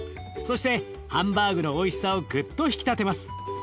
そしてハンバーグのおいしさをぐっと引き立てます。